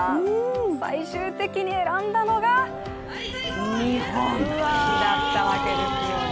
最終的に選んだのが日本だったわけですよね。